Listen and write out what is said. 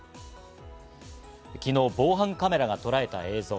昨日、防犯カメラがとらえた映像。